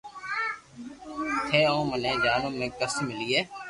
نھ اوسي جيون ۾ ڪسٽ ملئي